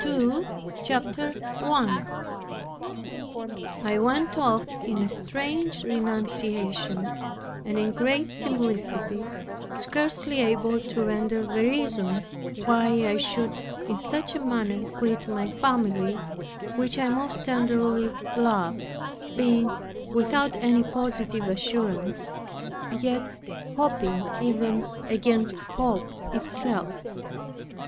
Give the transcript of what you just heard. PART TWO CHAPTER 1 I went off, in a strange renunciation, and in great simplicity, scarcely able to render the reason why I should in such a manner quit my family, which I most tenderly love, being without any positive assurance, yet hoping even against hope itself.